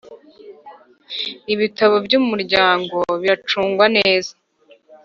Ibitabo by ‘umuryango biracungwa neza.